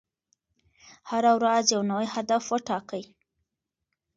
هره ورځ یو نوی هدف وټاکئ.